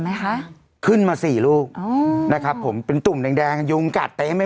ไหมคะขึ้นมาสี่ลูกอ๋อนะครับผมเป็นตุ่มแดงแดงยุงกัดเต๊ไม่